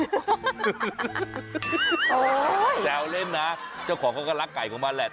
โอ้โหแซวเล่นนะเจ้าของเขาก็รักไก่ของมันแหละ